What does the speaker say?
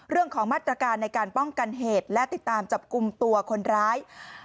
เรื่องของมาตรการในการป้องกันเหตุและติดตามจับกลุ่มตัวคนร้าย